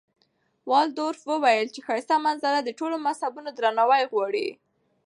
والډروف وویل چې ښایسته منظره د ټولو مذهبونو درناوی غواړي.